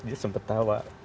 dia ngejempet tawa